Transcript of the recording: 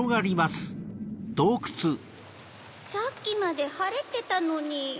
さっきまではれてたのに。